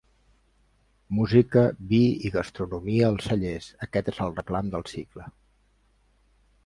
Música, vi i gastronomia als cellers, aquest és el reclam del cicle.